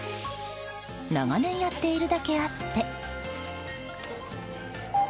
長年やっているだけあって。